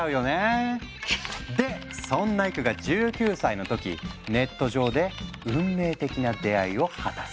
でそんなエクが１９歳の時ネット上で運命的な出会いを果たす。